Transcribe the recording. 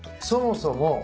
そもそも。